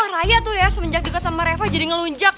raya tuh ya semenjak dekat sama reva jadi ngelunjak